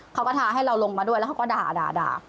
เขาก็ท้าให้เราลงมาด้วยแล้วเขาก็ด่า